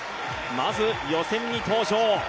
まず予選に登場。